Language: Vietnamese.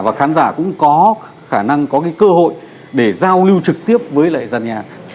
và khán giả cũng có khả năng có cái cơ hội để giao lưu trực tiếp với lại giàn nhạc